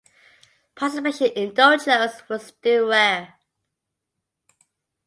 Participation in dojos was still rare.